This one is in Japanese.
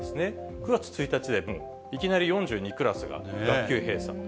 ９月１日でいきなり４２クラスが学級閉鎖。